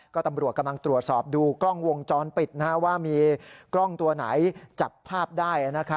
ก็ตำรวจกำลังตรวจสอบดูกล้องวงจรปิดว่ามีกล้องตัวไหนจับภาพได้